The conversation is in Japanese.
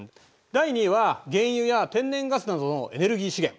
第２位は原油や天然ガスなどのエネルギー資源。